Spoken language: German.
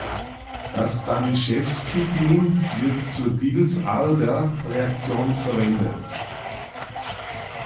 Das Danishefsky-Dien wird zur Diels-Alder-Reaktion verwendet.